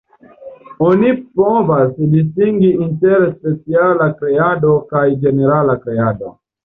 Oni povas distingi inter 'speciala kreado' kaj ĝenerala kreado.